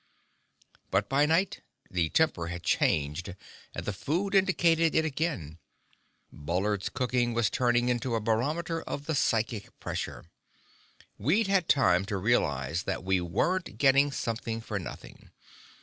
But by night, the temper had changed and the food indicated it again. Bullard's cooking was turning into a barometer of the psychic pressure. We'd had time to realize that we weren't getting something for nothing.